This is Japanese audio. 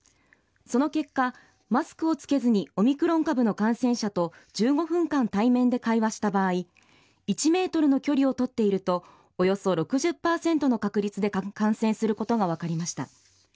その結果、マスクを着けずにオミクロン株の感染者と１５分間対面で会話した場合、１メートルの距離を取っていると、およそ６０％の確率で感染することが分かりました。